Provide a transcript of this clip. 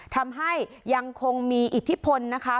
ยังคงมีอิทธิพลนะคะ